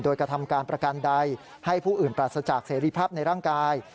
โดยกระทำการประกันใดให้ผู้อื่นปราศจากเสรีภาพในร่างกาย